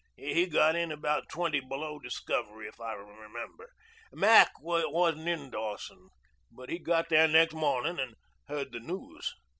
He got in about twenty below discovery, if I remember. Mac wasn't in Dawson, but he got there next mo'nin' and heard the news.